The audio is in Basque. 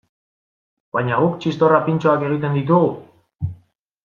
Baina guk txistorra pintxoak egiten ditugu?